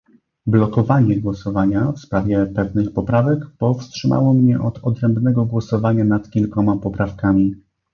"Blokowanie" głosowania w sprawie pewnych poprawek powstrzymało mnie od odrębnego głosowania nad kilkoma poprawkami